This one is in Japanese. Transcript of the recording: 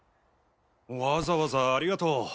わざわざありがとう。